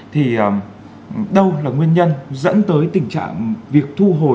thì đâu là nguyên nhân dẫn tới tình trạng việc thu hồi